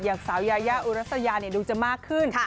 อย่างสาวยายาอุรัสยาดูจะมากขึ้น